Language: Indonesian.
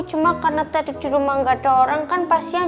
cuma karena tadi di rumah gak ada orang kan pas siang